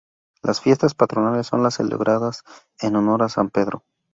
Las fiestas patronales son las celebradas en honor de San Pedro.